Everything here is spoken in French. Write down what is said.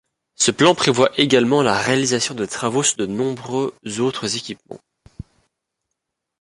Ce plan prévoit également la réalisation de travaux sur de nombreux autres équipements.